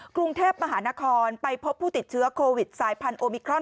กรุงเทพมหานครไปพบผู้ติดเชื้อโควิดสายพันธุมิครอน